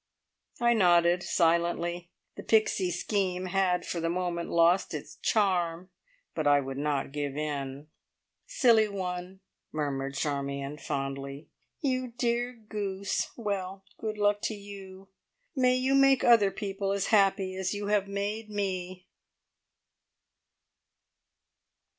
I nodded silently. The Pixie scheme had for the moment lost its charm, but I would not give in. "Silly one!" murmured Charmion fondly. "You dear goose! Well, good luck to you. May you make other people as happy as you have made me."